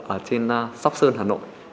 ở trên sóc sơn hà nội